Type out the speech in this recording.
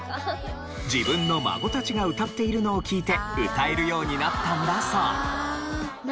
自分の孫たちが歌っているのを聴いて歌えるようになったんだそう。